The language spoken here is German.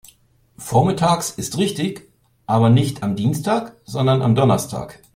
Vormittags ist richtig, aber nicht am Dienstag, sondern am Donnerstag.